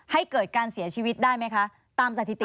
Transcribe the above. ให้เกิดการเสียชีวิตได้ไหมคะตามสถิติ